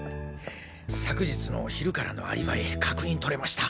昨日の昼からのアリバイ確認取れました。